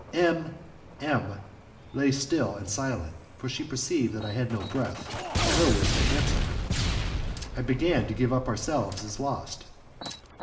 M M lay still and silent, for she perceived I had no breath wherewith to answer her. I began to give ourselves up as lost.